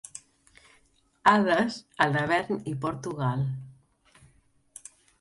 Hades, a l'avern hi porto gal.